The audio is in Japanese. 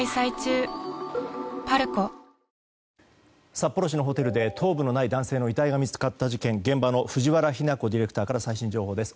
札幌市のホテルで頭部のない男性の遺体が見つかった事件、現場の藤原妃奈子ディレクターから最新情報です。